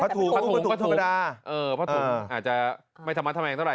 ถูกก็ถูกประถงก็ถูกผสมอาจจะไม่ทำทำแมงเท่าไร